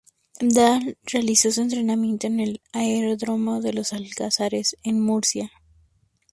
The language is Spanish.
Dahl realizó su entrenamiento en el aeródromo de Los Alcázares, en Murcia.